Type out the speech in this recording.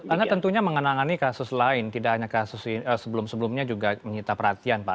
anda tentunya mengenangani kasus lain tidak hanya kasus sebelum sebelumnya juga menyita perhatian pak